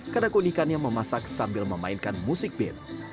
karena keunikannya memasak sambil memainkan musik beat